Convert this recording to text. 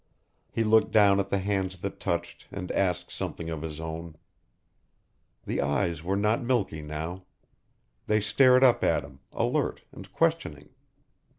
He looked down at the hands that touched and asked something of his own. The eyes were not milky now. They stared up at him, alert and questioning.